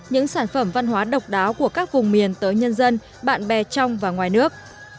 những sản phẩm văn hóa độc đáo của các vùng miền tới nhân dân bạn bè trong và ngoài nước